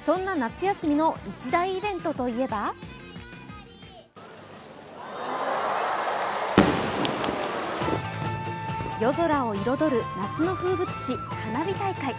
そんな夏休みの一大イベントといえば夜空を彩る夏の風物詩花火大会。